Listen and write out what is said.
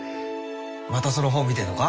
またその本見てんのか。